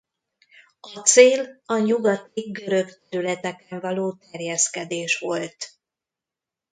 A cél a nyugati görög területeken való terjeszkedés volt.